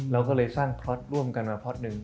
เราก็เลยสร้างครอดร่วมกันมาพอร์จนึง